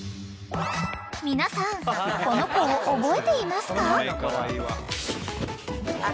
［皆さんこの子を覚えていますか？］